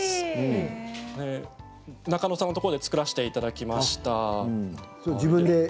中野さんのところで作らせていただきました。